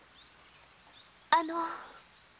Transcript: あの。